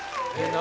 何？